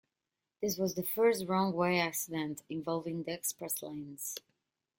This was the first wrong-way accident involving the express lanes.